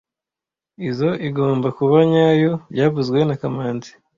Izoi igomba kuba nyayo byavuzwe na kamanzi